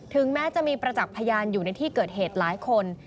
แม้จะมีประจักษ์พยานอยู่ในที่เกิดเหตุหลายคน